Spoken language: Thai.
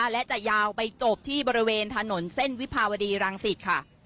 และจะยาวไปจบที่บริเวณถนนเส้นวิภาวดีรังสิตค่ะ